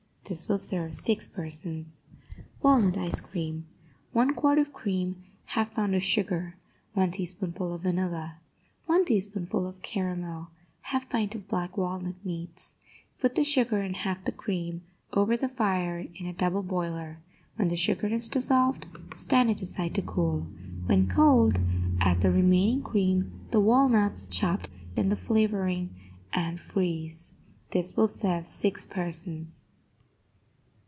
This will serve six persons. WALNUT ICE CREAM 1 quart of cream 1/2 pound of sugar 1 teaspoonful of vanilla 1 teaspoonful of caramel 1/2 pint of black walnut meats Put the sugar and half the cream over the fire in a double boiler; when the sugar is dissolved, stand it aside to cool. When cold, add the remaining cream, the walnuts, chopped, and the flavoring, and freeze. This will serve six persons.